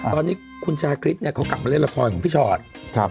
ตอนนี้คุณชาคริสเนี่ยเขากลับมาเล่นละครของพี่ชอต